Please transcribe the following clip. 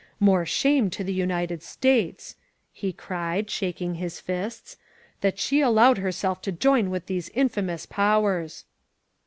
More shame to the United States," he cried, shaking his fists, ^Hhat she allowed herself to join with these infamous Powers